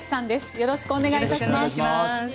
よろしくお願いします。